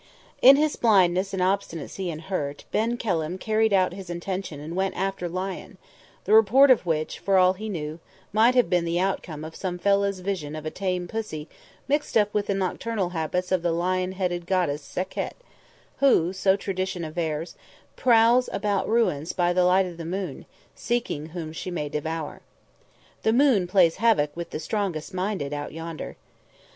In his blindness and obstinacy and hurt Ben Kelham carried out his intention and went after lion, the report of which, for all he knew, might have been the outcome of some fellah's vision of a tame pussy mixed up with the nocturnal habits of the lion headed goddess Sekhet, who, so tradition avers, prowls about ruins by the light o' the moon, seeking whom she may devour. The moon plays havoc with the strongest minded, out yonder!